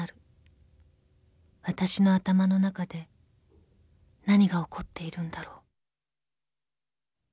［わたしの頭の中で何が起こっているんだろう］